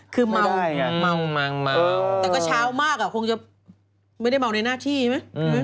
คือเมาว์ไม่ได้เออแต่ก็เช้ามากคงจะไม่ได้เมาว์ในหน้าที่ไหม